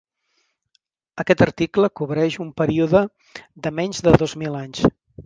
Aquest article cobreix un període de menys de dos mil anys.